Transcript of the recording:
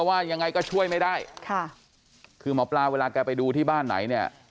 ว่ายังไงก็ช่วยไม่ได้ค่ะคือหมอปลาเวลาแกไปดูที่บ้านไหนเนี่ย